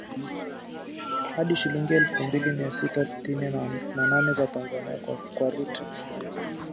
hadi shilingi elfu mbili mia sita sitini na nane za Tanzania kwa lita